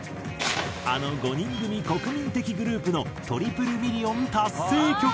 あの５人組国民的グループのトリプルミリオン達成曲。